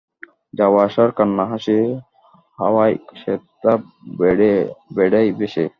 যাওয়া-আসার কান্নাহাসি হাওয়ায় সেথা বেড়ায় ভেসে।